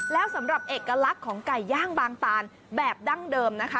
แล้วสำหรับเอกลักษณ์ของไก่ย่างบางตานแบบดั้งเดิมนะคะ